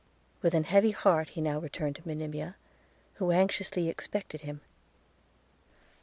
With an heavy heart he now returned to Monimia, who anxiously expected him.